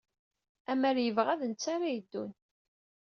Amer yebɣa d netta ara yeddun.